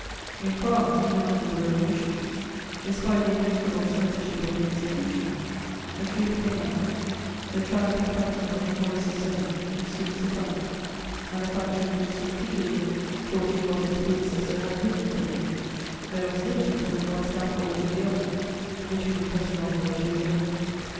In France, even under the Revolution, despite the inexorable censorship of the executioner, the truth came out; the triumphing faction was not always the same; it soon succumbed, and the faction which succeeded it taught you what its predecessor had hidden from you: there was liberty from one scaffold to the other, between the cutting off of two heads.